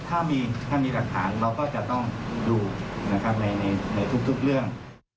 ถ้ามีรักษาเราก็จะต้องดูในทุกเรื่อง